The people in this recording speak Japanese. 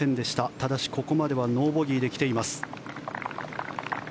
ただし、ここまではノーボギーで来ています。